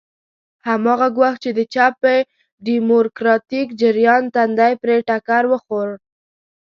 هماغه ګواښ چې د چپ ډیموکراتیک جریان تندی پرې ټکر وخوړ.